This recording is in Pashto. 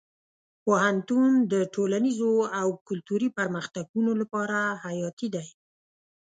پوهنتون د ټولنیزو او کلتوري پرمختګونو لپاره حیاتي دی.